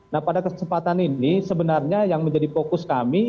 nah pada kesempatan ini sebenarnya yang menjadi fokus kami